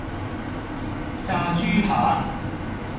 炸豬扒